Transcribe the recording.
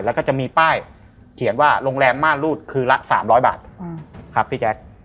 แล้วก็จะมีป้ายเขียนว่าโรงแรมม่านรูดคือละ๓๐๐บาทครับพี่แจ๊ค